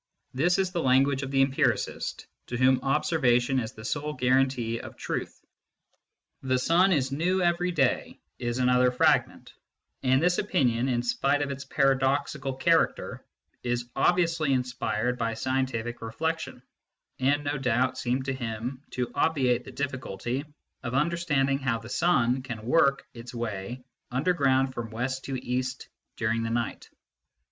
This is the language of the empiricist, to whom observation is the sole guaran tee of truth. " The sun is new every day," is another fragment ; and this opinion, in spite of its paradoxical character, is obviously inspired by scientific reflection, and no doubt seemed to him to obviate the difficulty of understanding how the sun can work its way under ground from west to east during the night.